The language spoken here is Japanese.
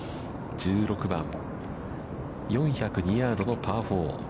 １６番、４０２ヤードのパー４。